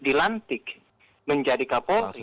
dilantik menjadi kapolri